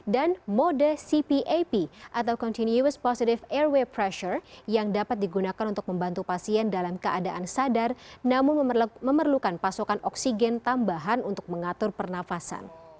dan mode cpap atau continuous positive airway pressure yang dapat digunakan untuk membantu pasien dalam keadaan sadar namun memerlukan pasokan oksigen tambahan untuk mengatur pernafasan